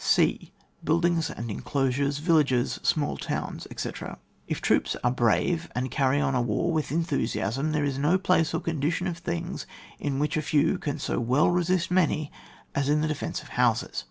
{e) Buildings and Enclosures, Villages, smaU Towns, etc. If troops are brave and carry on a war with enthusiasm, there is no place or con dition of thingps in which a few can so well resist many as in the defence of houses.